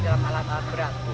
dalam alat alat berat